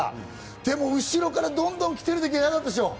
でも後ろからどんどん来ている時は嫌だったでしょ？